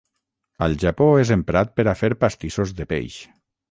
Al Japó és emprat per a fer pastissos de peix.